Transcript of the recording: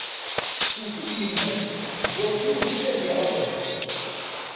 Tewwet-it yemma-s seg wakken yugi ad yaɣ awal.